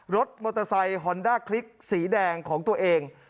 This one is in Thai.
รถมอเตอร์ไซค์ฮอนด้าคลิกสีแดงของตัวเอง